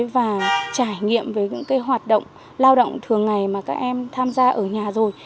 và trải nghiệm về những hoạt động lao động thường ngày mà các em tham gia ở nhà rồi